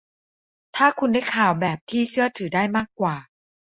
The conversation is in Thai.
ถ้าคุณได้ข่าวแบบที่เชื่อถือได้มากว่า